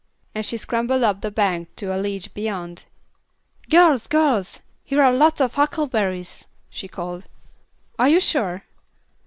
And she scrambled up the bank to a ledge beyond. "Girls! girls! here are lots of huckleberries," she called. "Are you sure?"